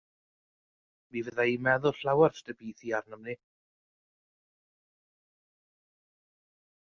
Mi fydda i'n meddwl llawer sut y bydd hi arnom ni.